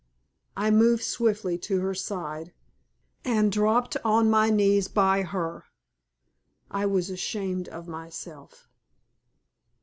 I moved swiftly to her side and dropped on my knees by her. I was ashamed of myself.